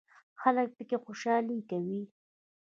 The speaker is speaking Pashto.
خلک پکې خوشحالي کوي.